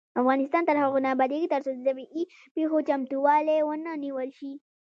افغانستان تر هغو نه ابادیږي، ترڅو د طبيعي پیښو چمتووالی ونه نیول شي.